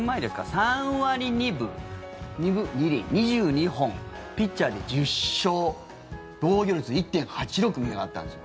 ３割２分２厘、２２本ピッチャーで１０勝防御率１．８６みたいなのがあったんですよ。